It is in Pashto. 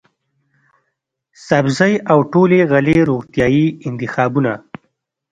سبزۍ او ټولې غلې روغتیايي انتخابونه،